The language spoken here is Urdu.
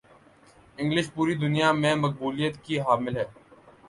انگلش پوری دنیا میں مقبولیت کی حامل ہے